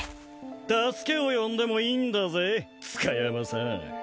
助けを呼んでもいいんだぜ塚山さん